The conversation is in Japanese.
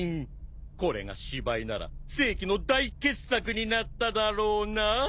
これが芝居なら世紀の大傑作になっただろうなあ。